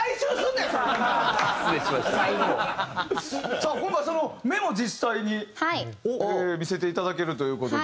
さあ今回はそのメモを実際に見せていただけるという事で。